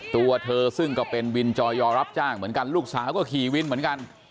ตัวเธอซึ่งก็เป็นวินจอยอรับจ้างเหมือนกันลูกสาวก็ขี่วินเหมือนกัน